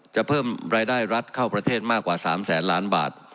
จะเพิ่มรายได้รัฐเข้าประเทศมากกว่า๓แสนล้านบาท